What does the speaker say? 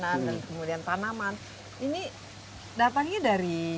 dan kemudian tanaman ini datangnya dari